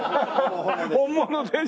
本物です。